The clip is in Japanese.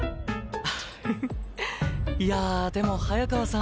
フフッいやあでも早川さん。